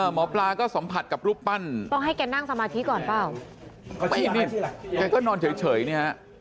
หมอปลาก็สัมผัสกับรูปปั้นต้องให้แกนั่งสมาธิก่อนเปล่าแกก็นอนเฉยเนี่ยฮะ